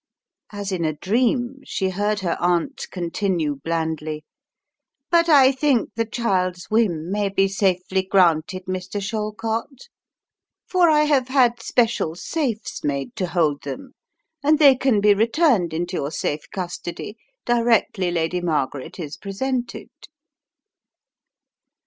As in a dream she heard her aunt continue blandly : "But I think the child's whim may be safely granted, Mr. Shallcott, for I have had special safes ««« 86 The Riddle of the PurpU Emperor made to hold them and they can be returned into your safe custody directly Lady Margaret is pre sented."